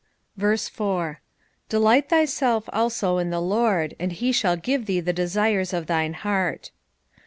4 Delight thyself also in the Lord ; and he shall give thee the desires of thine heart.